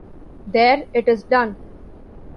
There - it is done.